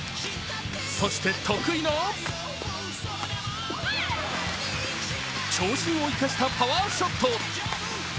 そして得意の長身を生かしたパワーショット。